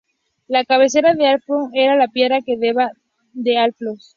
La cabecera del alfoz era La Piedra, que daba nombre al alfoz.